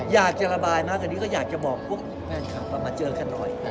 อยากจะระบายแบบนี้ก็อยากจะบอกหลับมาเจอกันหน่อย